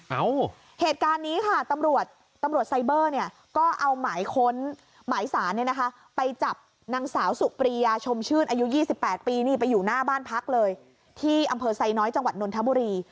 เหตุการณ์นี้ค่ะตำรวจตำรวจไซเบอร์เนี่ยก็เอาหมายค้นหมายสารเนี่ยนะคะไปจับนางสาวสุปรียาชมชื่นอายุ๒๘ปีนี่ไปอยู่หน้าบ้านพักเลยที่อำเภอไซน้อยจังหวัดนนทบุรี